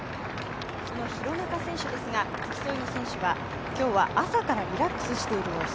その廣中選手ですが、付き添いの選手は今日は朝からリラックスしている様子。